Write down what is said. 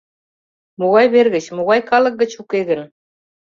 Могай вер гыч, могай калык гыч уке гын?